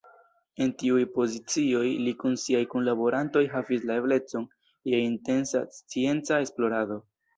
En tiuj pozicioj li kun siaj kunlaborantoj havis la eblecon je intensa scienca esplorado.